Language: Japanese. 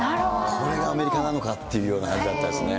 これがアメリカなのかというような感じだったですね。